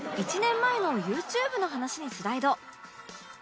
１年前の ＹｏｕＴｕｂｅ の話にスライド